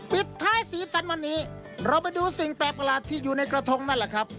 ปิดท้ายสีสันวันนี้เราไปดูสิ่งแปลกประหลาดที่อยู่ในกระทงนั่นแหละครับ